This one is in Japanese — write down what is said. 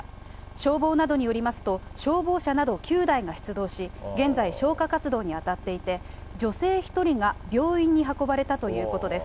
消防などによりますと、消防車など９台が出動し、現在、消火活動に当たっていて、女性１人が病院に運ばれたということです。